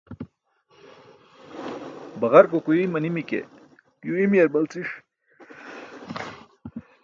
Baġark ukuiy manimi ke yuw imiyar malciṣ.